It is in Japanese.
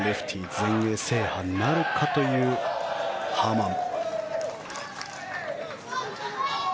全英制覇なるかというハーマン。